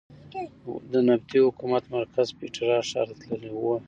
د نبطي حکومت مرکز پېټرا ښار ته تللې.